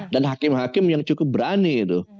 dan hakim hakim yang cukup berani